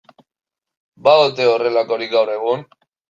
Ba ote horrelakorik gaur egun?